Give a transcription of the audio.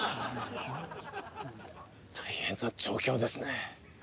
大変な状況ですね。